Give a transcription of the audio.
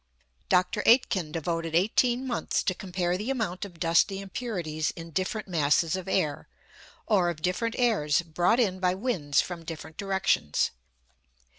Dr. Aitken devoted eighteen months to compare the amount of dusty impurities in different masses of air, or of different airs brought in by winds from different directions.